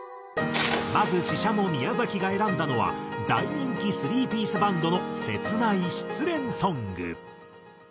まずＳＨＩＳＨＡＭＯ宮崎が選んだのは大人気スリーピースバンドの切ない失恋ソング。